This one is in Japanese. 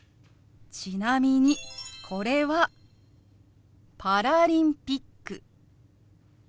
ちなみにこれは「パラリンピック」。